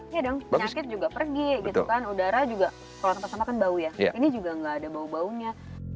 ya dong penyakit juga pergi gitu kan udara juga kalau tempat sampah kan bau ya ini juga nggak ada bau baunya